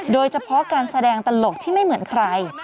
โดยเฉพาะการแสดงตลกที่ไม่เหมือนใคร